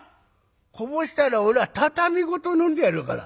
こぼしたらおら畳ごと飲んでやるから。